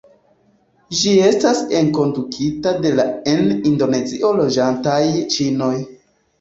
Ĝi estas enkondukita de la en Indonezio loĝantaj ĉinoj.